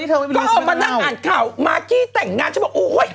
ก็มานั่งอ่านข่าวมากกี้แต่งงานฉันบอกโอ้ย